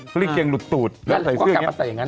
กางเกงหลุดตูดแล้วใส่ซื้ออย่างนี้